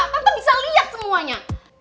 tante bisa lihat semuanya